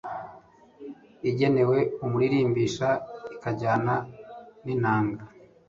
Igenewe umuririmbisha ikajyana n’inanga